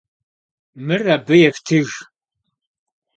Mır abı yêftıjj!